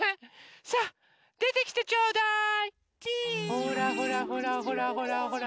ほらほらほらほらほら。